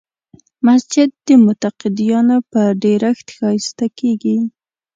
مسجد د مقتدیانو په ډېرښت ښایسته کېږي.